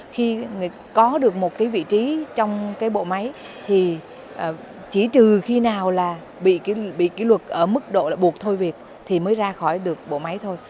khi có được một cái vị trí trong cái bộ máy thì chỉ trừ khi nào là bị kỷ luật ở mức độ là buộc thôi việc thì mới ra khỏi được bộ máy thôi